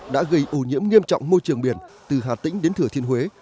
đã gây ổ nhiễm nghiêm trọng môi trường biển từ hà tĩnh đến thừa thiên huế